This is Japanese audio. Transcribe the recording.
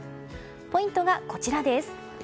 ポイントがこちらです。